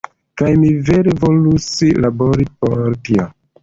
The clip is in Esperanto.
Kaj mi vere volus labori por tio.